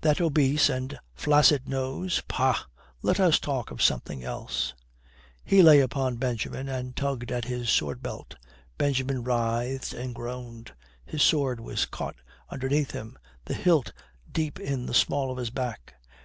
That obese and flaccid nose pah, let us talk of something else." He lay upon Benjamin and tugged at his sword belt. Benjamin writhed and groaned. His sword was caught underneath him, the hilt deep in the small of his back.